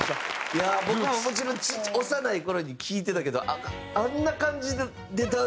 いや僕ももちろん幼い頃に聴いてたけどあんな感じでダンスしてたんですね。